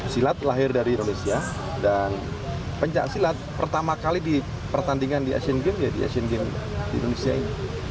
silat lahir dari indonesia dan pencaksilat pertama kali di pertandingan di asian games ya di asian games di indonesia ini